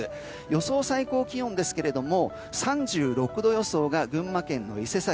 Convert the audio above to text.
予想最高気温３６度予想が群馬県の伊勢崎。